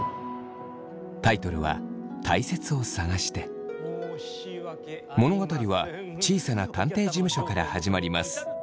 タイトルは物語は小さな探偵事務所から始まります。